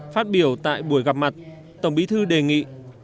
phát biểu tại buổi gặp mặt tổng bí thư đề nghị